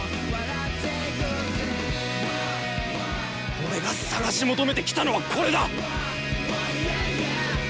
俺が探し求めてきたのはこれだ！